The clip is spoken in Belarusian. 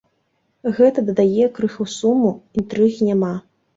Гэта дадае крыху суму, інтрыгі няма.